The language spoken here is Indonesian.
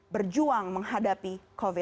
berjuang menghadapi penyakit